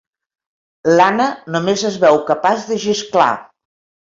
L'Anna només es veu capaç de xisclar.